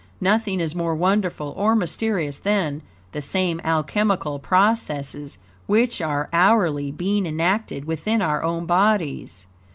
Nothing is more wonderful or mysterious, than, the same alchemical processes, which, are hourly being enacted within our own bodies.